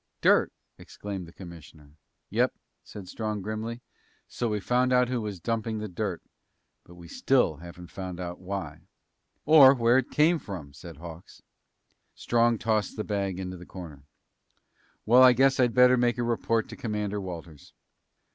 "Dirt!" exclaimed the commissioner. "Yep," said Strong grimly. "So we found out who was dumping the dirt. But we still haven't found out why." "Or where it came from," said Hawks. Strong tossed the bag into the corner. "Well, I guess I'd better make a report to Commander Walters."